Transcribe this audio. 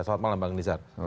selamat malam bang nizar